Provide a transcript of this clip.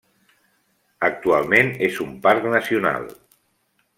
Actualment és un parc nacional.